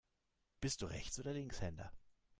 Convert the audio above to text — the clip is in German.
Bist du Rechts- oder Linkshänder?